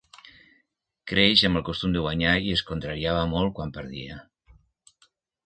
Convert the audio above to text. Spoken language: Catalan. Creix amb el costum de guanyar i es contrariava molt quan perdia.